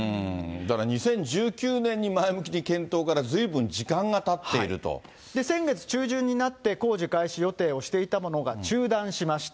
だから２０１９年に前向きに検討からずいぶん時間がたってい先月中旬になって、工事開始予定をしていたものが中断しました。